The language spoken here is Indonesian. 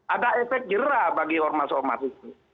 ada efek jerah bagi ormas ormas itu